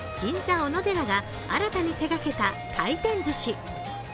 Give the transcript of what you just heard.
おのでらが新たに手がけた回転ずし。